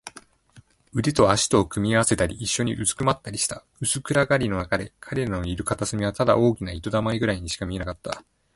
腕と脚とを組み合わせたり、いっしょにうずくまったりした。薄暗がりのなかで、彼らのいる片隅はただ大きな糸玉ぐらいにしか見えなかった。